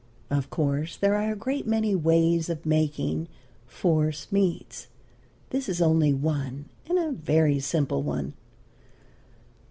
Of course there are a great many ways of making force meats; this is only one, and a very simple one.